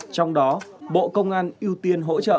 trong đó bộ công an ưu tiên hỗ trợ